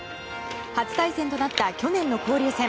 初対戦となった去年の交流戦。